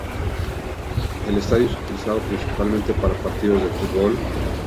El estadio es utilizado principalmente para partidos de fútbol.